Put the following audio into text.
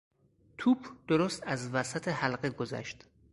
توپ درست از وسط حلقه گذشت.